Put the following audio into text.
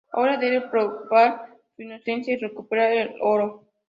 Ahora debe probar su inocencia y recuperar el oro.